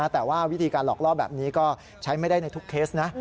แต่ว่าวิธีการหลอกล่อแบบนี้ก็ใช้ไม่ได้ในทุกเคสนะ